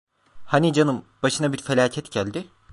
Hani canım, başına bir felaket geldi…